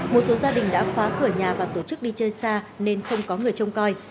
một số gia đình đã khóa cửa nhà và tổ chức đi chơi xa nên không có người trông coi